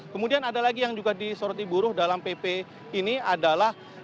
kemudian ada lagi yang juga disoroti buruh dalam pp ini adalah